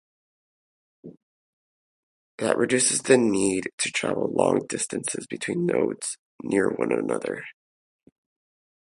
That reduces the need to travel long distances between nodes near one another.